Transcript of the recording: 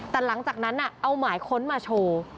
แต่หลังจากนั้นเอาหมายค้นมาโชว์